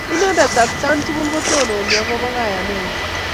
Inendet atkan tukul kotononi akopo kayanennyin